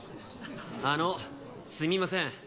あのすみません。